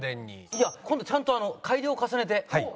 いや今度ちゃんと改良を重ねて。